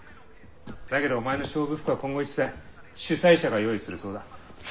だけどお前の勝負服は今後一切主催者が用意するそうだ。